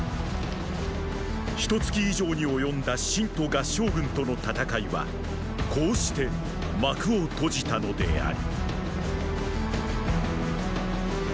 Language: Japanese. ひと月以上に及んだ秦と合従軍との戦いはこうして幕を閉じたのである。